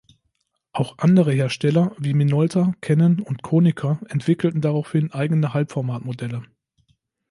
Auch andere Hersteller wie Minolta, Canon und Konica entwickelten daraufhin eigene Halbformat-Modelle.